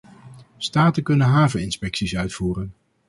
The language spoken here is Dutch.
Staten kunnen haveninspecties uitvoeren.